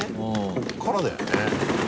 ここからだよね。